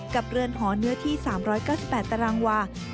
เรือนหอเนื้อที่๓๙๘ตารางวา